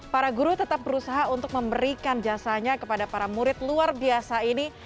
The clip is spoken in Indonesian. para guru tetap berusaha untuk memberikan jasanya kepada para murid luar biasa ini